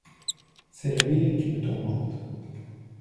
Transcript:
C’est la bile qui me tourmente.